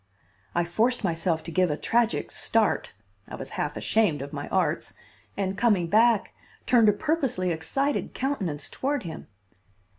I forced myself to give a tragic start (I was half ashamed of my arts), and, coming back, turned a purposely excited countenance toward him.